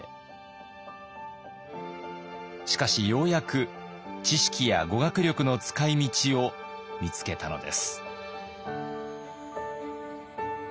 しかしようやく知識や語学力の使いみちを見つけたのです。